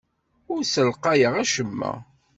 Ur ssalqayeɣ acemma.